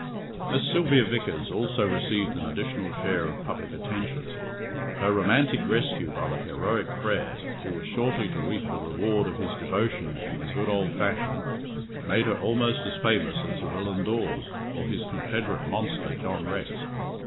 Miss Sylvia Vickers also received an additional share of public attention. Her romantic rescue by the heroic Frere, who was shortly to reap the reward of his devotion in the good old fashion, made her almost as famous as the villain Dawes, or his confederate monster John Rex.